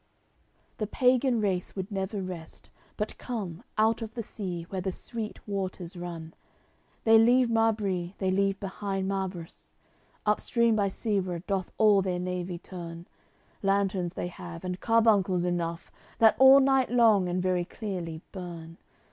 AOI. CXCI The pagan race would never rest, but come Out of the sea, where the sweet waters run; They leave Marbris, they leave behind Marbrus, Upstream by Sebre doth all their navy turn. Lanterns they have, and carbuncles enough, That all night long and very clearly burn.